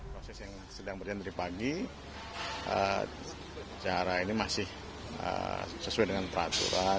proses yang sedang berjalan dari pagi secara ini masih sesuai dengan peraturan